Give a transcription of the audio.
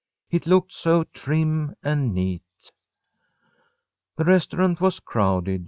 It looked so trim and neat. The restaurant was crowded.